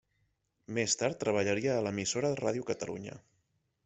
Més tard treballaria a l'emissora Ràdio Catalunya.